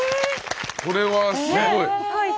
これはすごい。